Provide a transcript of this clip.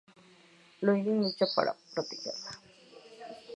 Lloyd lucha para protegerla.